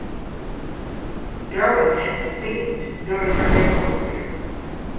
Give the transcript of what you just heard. "Derwent" had steamed during her naval career.